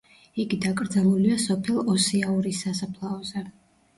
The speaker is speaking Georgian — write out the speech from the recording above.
იგი დაკრძალულია სოფელ ოსიაურის სასაფლაოზე.